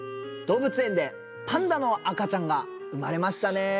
動物園でパンダの赤ちゃんが生まれましたねぇ。